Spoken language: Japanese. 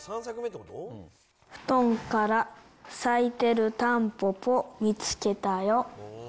ふとんからさいてるタンポポみつけたよ。